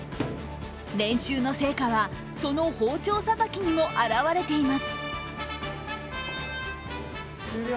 練習の成果はその包丁さばきにも現れています。